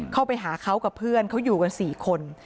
เข้าไปหาเขากับเพื่อนเขาอยู่กัน๔คน